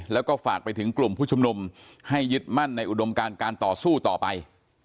แล้วก็ฝากไปถึงกลุ่มผู้ชุมนุมให้ยึดมั่นในอุดมการการต่อสู้ต่อไป